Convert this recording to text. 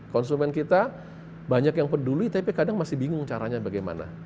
konsumen kita banyak yang peduli tapi kadang masih bingung caranya bagaimana